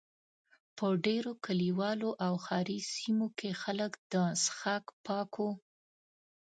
په ډېرو کلیوالو او ښاري سیمو کې خلک د څښاک پاکو.